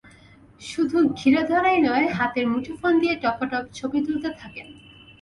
শুধু ঘিরে ধরাই নয়, হাতের মুঠোফোন দিয়ে টপাটপ ছবি তুলতে থাকেন।